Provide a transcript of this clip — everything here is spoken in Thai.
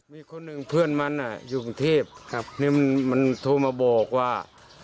มีคนหนึ่งเพื่อนมันอยู่กันที่มันโทรมาบอกว่า